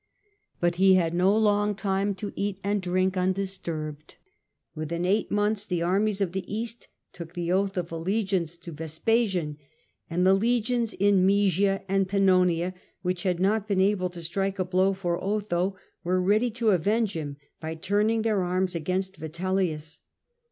But he had no long time to eat and drink undisturbed. Hut in the Within eight months the armies of the East allegiance to Vespasian, and soon in arms, the legions in Mccsia and Pannonia, which had not been able to strike a blow for Otho, were ready to avenge him by turning their arms against Vitellius.